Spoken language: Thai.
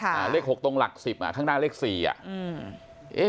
เลขหกตรงหลักสิบอ่ะข้างหน้าเลขสี่อ่ะอืมเอ๊ะ